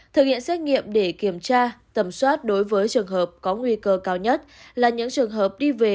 thực hiện xét nghiệm để kiểm tra tầm soát đối với trường hợp có nguy cơ cao nhất là những trường hợp đi về